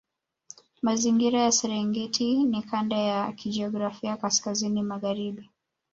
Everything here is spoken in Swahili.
Mazingira ya Serengeti ni kanda ya kijiografia kaskazini magharibi